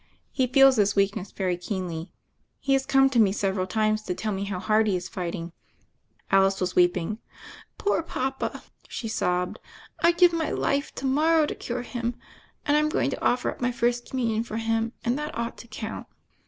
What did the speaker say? He feels his weakness very keenly. He has come to me several times to tell me how hard he is fighting." Alice was weeping. "Poor papa," she sobbed, "I'd give my life to morrow to cure him, and I'm going to offer up my First Communion for him, and that ought to count."